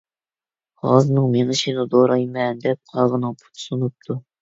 غازنىڭ مېڭىشىنى دورايمەن دەپ قاغىنىڭ پۇتى سۇنۇپتۇ.